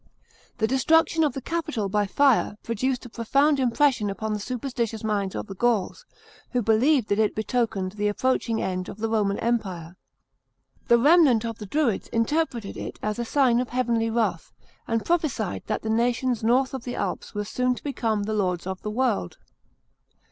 The destruction of the Capitol by fire produced a profound impression upon the superstitious minds of the Gauls, who believed that it betokened the approaching end of the Roman Empire. The remnant of the Druids interpreted it as a sign of heavenly wrath, and prophesied that the nations north of the Alps were soon to become the lords ot the world.